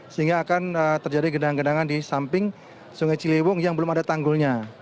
sehingga akan terjadi genangan gedangan di samping sungai ciliwung yang belum ada tanggulnya